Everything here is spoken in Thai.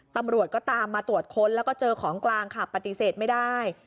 ตำรวจก็ตามมาตรวจค้นแล้วก็เจอของกลางค่ะปฏิเสธไม่ได้